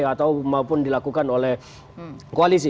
atau maupun dilakukan oleh koalisi